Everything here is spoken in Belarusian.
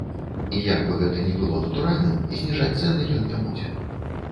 І як бы гэта ні было натуральным, зніжаць цэны ён не будзе.